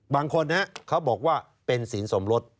บางคนเขาบอกว่าเป็นศีลสมรส